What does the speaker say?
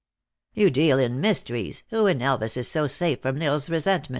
1 " You deal in mysteries; who in Elva& is so safe from L Isle s resentment?"